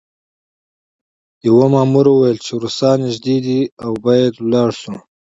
یوه مامور وویل چې روسان نږدې دي او باید لاړ شو